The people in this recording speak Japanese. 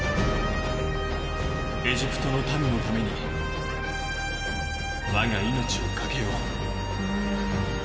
エジプトの民のために我が命をかけよう。